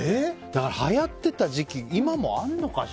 はやってた時期今もあるのかしら。